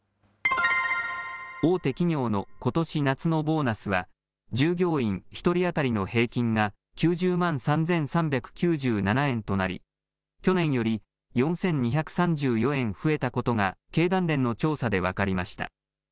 大手企業のことし夏のボーナスは従業員１人当たりの平均が９０万３３９７円となり去年より４２３４円増えたことが経団連の調査で分かりました。